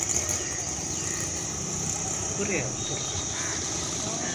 Buraya oturun.